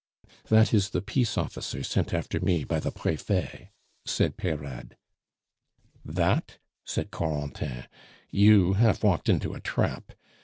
"That is the peace officer sent after me by the Prefet," said Peyrade. "That?" said Corentin. "You have walked into a trap.